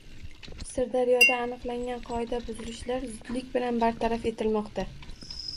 Sirdaryoda aniqlangan qoida buzilishlar zudlik bilan bartaraf etilmoqda